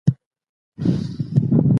هغه زموږ څېړني له نړیوالو هغو سره پرتله کوي.